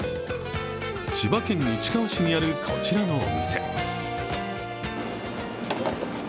千葉県市川市にあるこちらのお店。